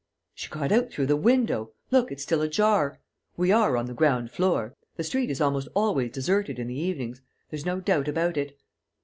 "She got out through the window. Look, it's still ajar. We are on the ground floor.... The street is almost always deserted, in the evenings. There's no doubt about it."